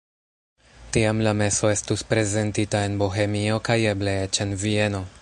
Tiam la meso estus prezentita en Bohemio kaj eble eĉ en Vieno.